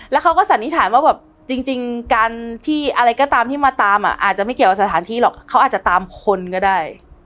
แล้วเขาก็สันนิษฐานว่าแบบจริงการที่อะไรก็ตามที่มาตามอ่ะอาจจะไม่เกี่ยวกับสถานที่หรอกเขาอาจจะตามคนก็ได้